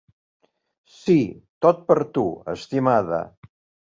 Si, tot per a tu, estimada!